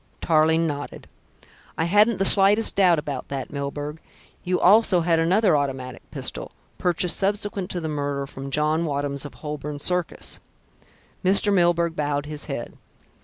Tarling nodded. "I hadn't the slightest doubt about that, Milburgh. You also had another automatic pistol, purchased subsequent to the murder from John Wadham's of Holborn Circus." Mr. Milburgh bowed his head.